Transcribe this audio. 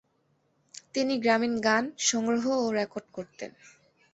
তিনি গ্রামীণ গান সংগ্রহ ও রেকর্ড করতেন।